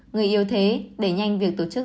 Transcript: người yêu thế để nhanh việc tổ chức